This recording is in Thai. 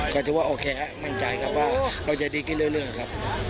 ก็ถือว่าโอเคครับมั่นใจครับว่าเราจะดีขึ้นเรื่อยครับ